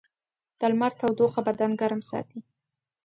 د لمر تودوخه بدن ګرم ساتي.